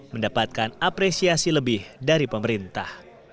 mendapatkan apresiasi lebih dari pemerintah